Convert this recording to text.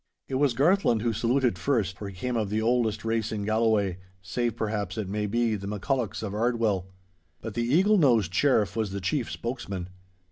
It was Garthland who saluted first, for he came of the oldest race in Galloway—save, perhaps, it may be, the MacCullochs of Ardwell. But the eagle nosed Sheriff was the chief spokesman.